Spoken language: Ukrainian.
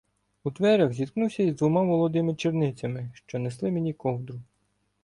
У дверях зіткнувся із двома молодими черницями, що несли мені ковдру.